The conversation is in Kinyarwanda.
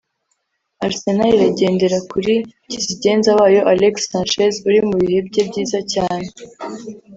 Aresenal iragendera kuri kizigenza wayo Alex Sanchez uri mu bihe bye byiza cyane